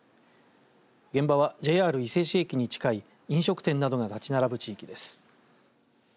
現場はＪＲ伊勢市駅に近い飲食店などが立ち並ぶ地域です。